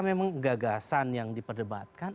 memang gagasan yang diperdebatkan